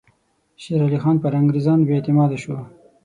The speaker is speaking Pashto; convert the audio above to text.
شېر علي خان پر انګریزانو بې اعتماده شو.